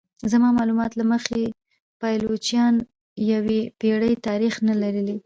زما معلومات له مخې پایلوچان یوې پیړۍ تاریخ نه لري.